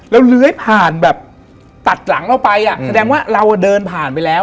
แล้วเลื้อยผ่านแบบตัดหลังเราไปอ่ะแสดงว่าเราเดินผ่านไปแล้ว